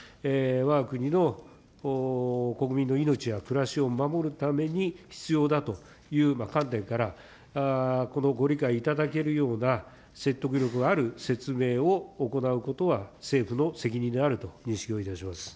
わが国の国民の命や暮らしを守るために必要だという観点から、このご理解いただけるような説得力のある説明を行うことは、政府の責任であると認識をいたします。